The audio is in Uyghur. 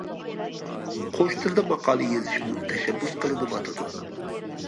قوش تىلدا ماقالە يېزىشمۇ تەشەببۇس قىلىنىۋاتىدۇ.